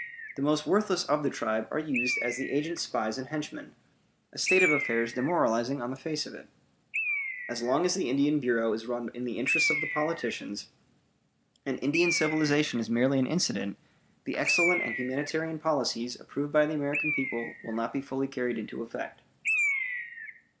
The most worthless of the tribe are used as the agent's spies and henchmen; a state of affairs demoralizing on the face of it. As long as the Indian Bureau is run in the interests of the politicians, and Indian civilization is merely an incident, the excellent and humanitarian policies approved by the American people will not be fully carried into effect.